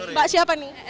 mbak siapa nih